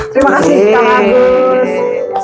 terima kasih pak agus